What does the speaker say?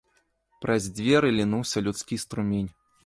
Праз дзверы лінуўся людскі струмень.